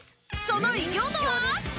その偉業とは？